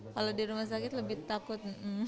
kalau di rumah sakit lebih takut